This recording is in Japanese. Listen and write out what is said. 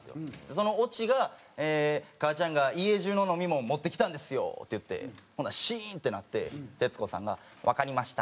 そのオチが「母ちゃんが家中の飲み物持ってきたんですよ」って言ってほんならシーンってなって徹子さんが「わかりました」。